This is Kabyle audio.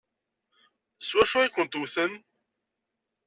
S wacu i kent-wwten?